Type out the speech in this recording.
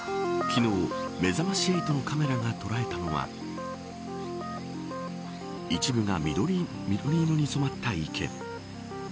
昨日めざまし８のカメラが捉えたのは一部が緑色に染まった池。